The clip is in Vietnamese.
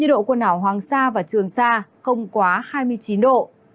trường sa không quá hai mươi chín độ